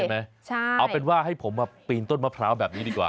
เอาเป็นว่าให้ผมมาปีนต้นมะพร้าวแบบนี้ดีกว่า